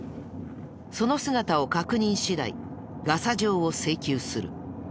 その姿を確認次第ガサ状を請求する。